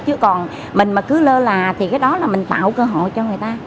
chứ còn mình mà cứ lơ là thì cái đó là mình tạo cơ hội cho người ta